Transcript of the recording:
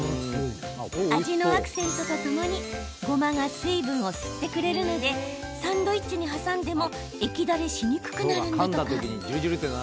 味のアクセントとともにごまが水分を吸ってくれるのでサンドイッチに挟んでも液だれしにくくなるんだとか。